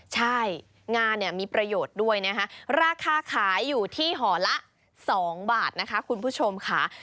ใช่งานเนี่ยมีประโยชน์ด้วยนะคะราคาขายอยู่ที่ห่อละ๒บาทนะคะคุณผู้ชมค่ะ